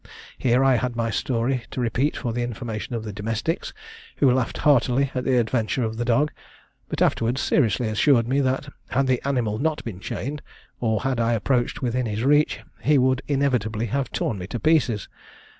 Here I had my story to repeat for the information of the domestics, who laughed heartily at the adventure of the dog, but afterwards seriously assured me that, had the animal not been chained, or had I approached within his reach, he would inevitably have torn me to pieces.